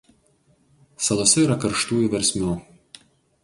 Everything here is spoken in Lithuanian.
Salose yra karštųjų versmių.